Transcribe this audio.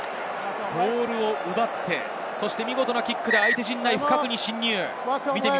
ボールを奪って、見事なキックで相手陣内深くに進入です。